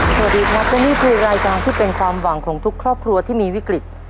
สวัสดีครับและนี่คือรายการที่เป็นความหวังของทุกครอบครัวที่มีวิกฤต